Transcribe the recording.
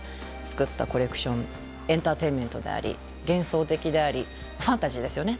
エンターテインメントであり幻想的でありファンタジーですよね。